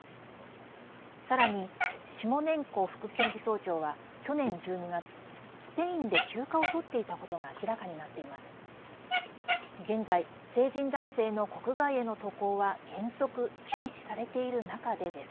さらに、シモネンコ副検事総長は去年１２月、スペインで休暇をとっていたことが明らかになっています。